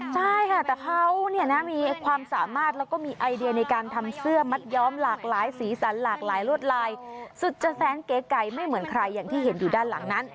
ใช่ค่ะแต่เขาเนี่ยนะมีความสามารถแล้วก็มีไอเดียในการทำเสื้อมัดย้อมหลากหลายสีสันหลากหลายรวดลายสุดจะแสนเก๋ไก่ไม่เหมือนใครอย่างที่เห็นอยู่ด้านหลังนั้น